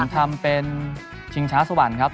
ทำเป็นชิงช้าสวรรค์ครับ